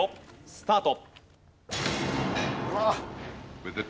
スタート。